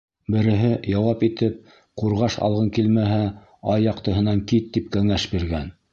Береһе, яуап итеп, ҡурғаш алғың килмәһә, ай яҡтыһынан кит, тип кәңәш биргән.